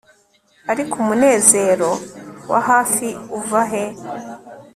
Ariko umunezero wa hafi uva he